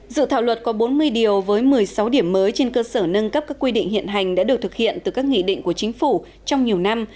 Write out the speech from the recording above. dự thảo luật có bốn mươi điều với một mươi sáu điểm mới trên cơ sở nâng cấp các quy định hiện hành đã được thực hiện từ các nghị định của chính phủ trong nhiều năm